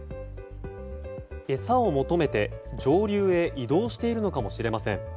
餌を求めて、上流へ移動しているのかもしれません。